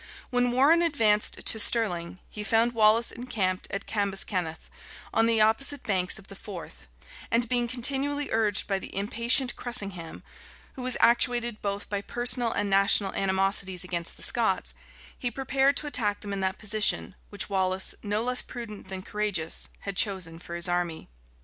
When Warrenne advanced to Stirling, he found Wallace encamped at Cambuskenneth, on the opposite banks of the Forth; and being continually urged by the impatient Cressingham, who was actuated both by personal and national animosities against the Scots,[] he prepared to attack them in that position, which Wallace, no less prudent than courageous, had chosen for his army.